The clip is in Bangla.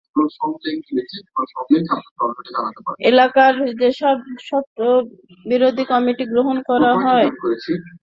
এলাকায় যেসব সন্ত্রাসবিরোধী কমিটি গঠন করা হয়েছে, সেগুলোকে সক্রিয় রাখতে হবে।